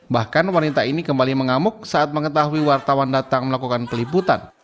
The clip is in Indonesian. bahkan wanita ini kembali mengamuk saat mengetahui wartawan datang melakukan peliputan